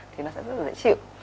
thì nó sẽ rất là dễ chịu